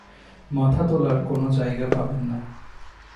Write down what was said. মাথা তোলার কোনো জায়গা পাবেন না।